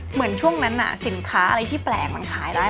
เหมือนช่วงนั้นสินค้าอะไรที่แปลกมันขายได้